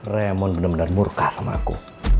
raymond bener bener murka sama aku